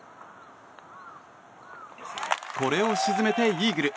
これを沈めてイーグル！